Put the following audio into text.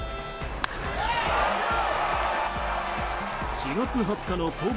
４月２０日の登板